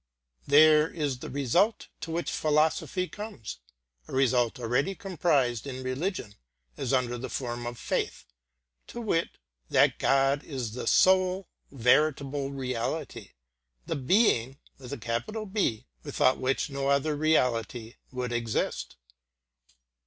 There is the result to which philosophy comes a result already comprised in religion as under the form of faith to wit, that God is the sole veritable reality, the Being without which no other reality would exist.